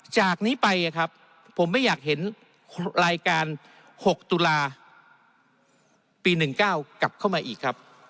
จากนี้ไปครับผมไม่อยากเห็นรายการ๖ตุลาปี๑๙กลับเข้ามาอีกครับ